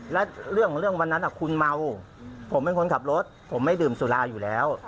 แล้วเรื่องของเรื่องวันนั้นคุณเมาผมเป็นคนขับรถผมไม่ดื่มสุราอยู่แล้ว